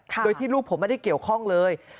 โดยที่ลูกผมไม่ได้เกี่ยวข้องเลย